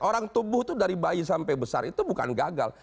orang tubuh itu dari bayi sampai besar itu bukan gagal